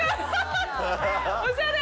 おしゃれ。